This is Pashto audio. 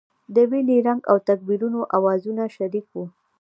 د وینې رنګ او تکبیرونو اوازونه شریک وو.